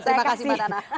terima kasih mbak nana